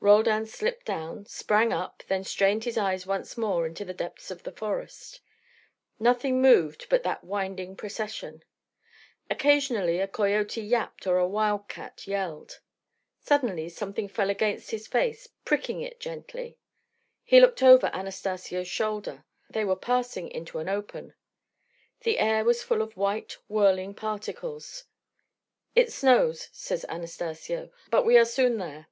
Roldan slipped down, sprang up, then strained his eyes once more into the depths of the forest. Nothing moved but that winding procession. Occasionally a coyote yapped or a wildcat yelled. Suddenly something fell against his face, pricking it gently. He looked over Anastacio's shoulder. They were passing into an open. The air was full of white, whirling particles. "It snows," said Anastacio; "but we are soon there."